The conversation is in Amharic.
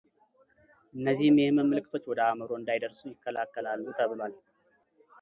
እነዚህም የህመም ምልክቶች ወደ አዕምሮ እንዳይደርሱ ይከላከላሉ ተብሏል።